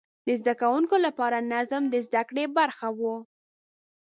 د زده کوونکو لپاره نظم د زده کړې برخه وه.